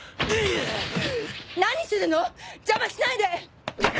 何するの⁉邪魔しないで！